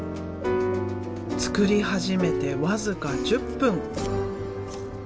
作り始めて僅か１０分。